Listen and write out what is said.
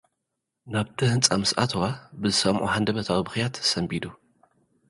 ናብቲ ህንጻ ምስ ኣተወ፡ ብዝሰምዖ ሃንደበታዊ ብኽያት ሰንቢዱ።